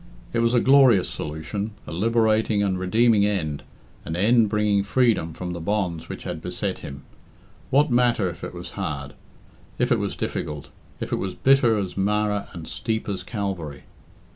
It was a glorious solution, a liberating and redeeming end, an end bringing freedom from the bonds which had beset him. What matter if it was hard; if it was difficult; if it was bitter as Marah and steep as Calvary?